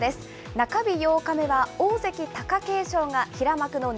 中日８日目は、大関・貴景勝が平幕の錦